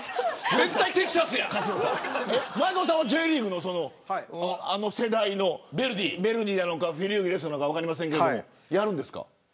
前園さんはＪリーグのあの世代のヴェルディなのかフリューゲルスなのか分かりませんけど。